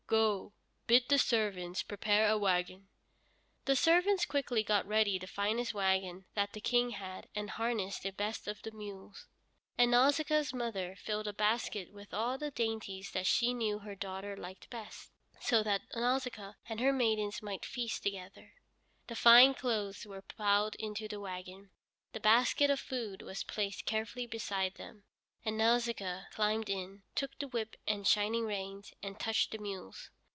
"Go, bid the servants prepare a wagon." The servants quickly got ready the finest wagon that the King had, and harnessed the best of the mules. And Nausicaa's mother filled a basket with all the dainties that she knew her daughter liked best, so that Nausicaa and her maidens might feast together. The fine clothes were piled into the wagon, the basket of food was placed carefully beside them, and Nausicaa climbed in, took the whip and shining reins, and touched the mules.